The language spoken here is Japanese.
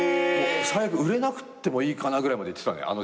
最悪売れなくってもいいかなぐらいまでいってたね